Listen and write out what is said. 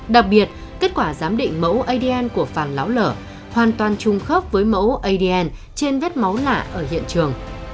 đặc biệt kết quả giám định mẫu adn của phàn láo lở hoàn toàn chung khớp với mẫu adn trên vết máu lạ ở hiện trường